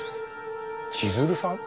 千鶴さん？